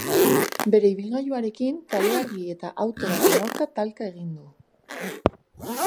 Bere ibilgailuarekin kale-argi eta auto baten aurka talka egin du.